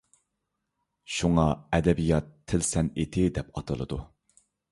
شۇڭا ئەدەبىيات تىل سەنئىتى دەپ ئاتىلىدۇ.